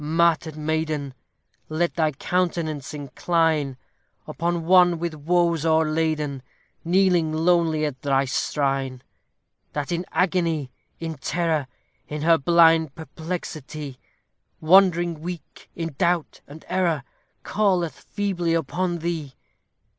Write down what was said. martyr'd maiden! Let thy countenance incline Upon one with woes o'erladen, Kneeling lowly at thy shrine; That in agony, in terror, In her blind perplexity, Wandering weak in doubt and error, Calleth feebly upon thee.